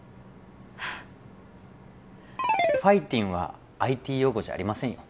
ファイティンはＩＴ用語じゃありませんよ